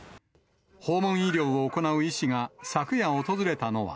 訪問医療を行う医師が昨夜、訪れたのは。